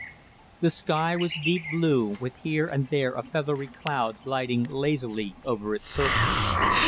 The sky was deep blue, with here and there a feathery cloud gliding lazily over its surface.